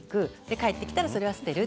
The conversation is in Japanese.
帰ってきたらそれは捨てる。